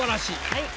はい。